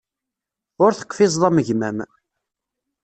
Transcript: Ur teqfizeḍ am gma-m.